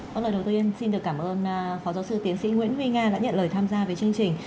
vâng lời đầu tiên xin được cảm ơn phó giáo sư tiến sĩ nguyễn huy nga đã nhận lời tham gia với chương trình